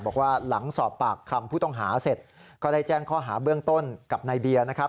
บอกว่าหลังสอบปากคำผู้ต้องหาเสร็จก็ได้แจ้งข้อหาเบื้องต้นกับนายเบียร์นะครับ